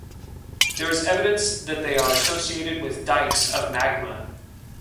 There is evidence that they are associated with dikes of magma.